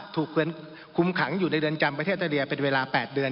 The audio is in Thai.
ถูกคุมขังอยู่ในเรือนจำประเทศเตอเรียเป็นเวลา๘เดือน